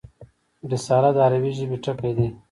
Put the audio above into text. رساله د عربي ژبي ټکی دﺉ.